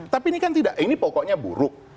tapi ini kan tidak ini pokoknya buruk